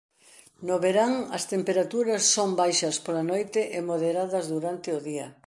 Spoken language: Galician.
No verán as temperaturas son baixas pola noite e moderadas durante o día.